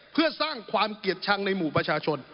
เพื่อสร้างความเกลียดชังในหมู่ประชาชน